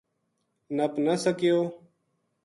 نپ نہ سکیو